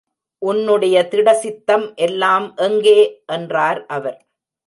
உன்னுடைய திடசித்தம் எல்லாம் எங்கே? என்றார் அவர்.